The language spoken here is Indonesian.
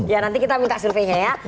ya nanti kita minta surveinya ya